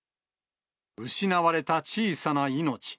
失われた小さな命。